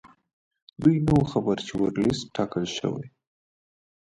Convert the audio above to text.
دوی نه وو خبر چې ورلسټ ټاکل شوی.